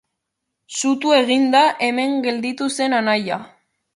Sutu egin da hemen gelditu zen anaia.